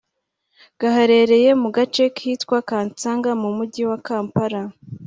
gaherereye mu gace kitwa Kansanga mu Mujyi wa Kampala